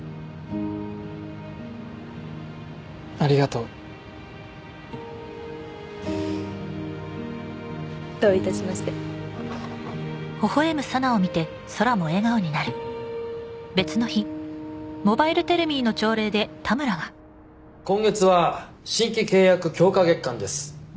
ありがとうどういたしまして今月は新規契約強化月間です